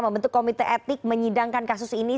membentuk komite etik menyidangkan kasus ini